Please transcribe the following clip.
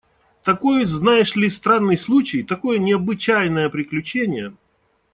– Такой, знаешь ли, странный случай, такое необычайное приключение!